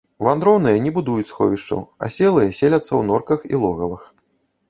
Вандроўныя не будуюць сховішчаў, аселыя селяцца ў норках і логавах.